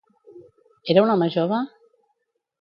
Era un home jove?